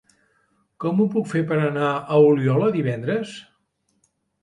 Com ho puc fer per anar a Oliola divendres?